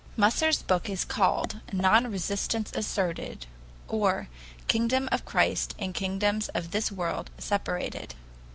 Musser's book is called "Non resistance Asserted," or "Kingdom of Christ and Kingdoms of this World Separated."